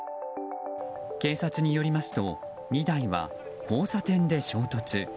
警察によりますと２台は交差点で衝突。